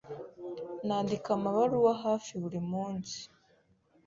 Nandika amabaruwa hafi buri munsi.